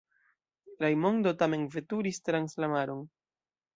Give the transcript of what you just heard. Rajmondo tamen veturis trans la maron.